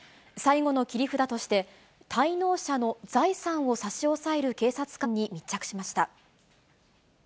最後の切り札として、滞納者の財産を差し押さえる警察官に密着しました。